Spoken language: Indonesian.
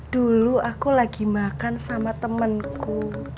dulu aku lagi makan sama temenku